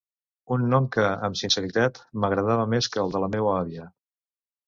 Un nom que, amb sinceritat, m'agradava més que el de la meua àvia.